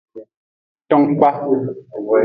Ton kpa.